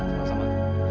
terima kasih pak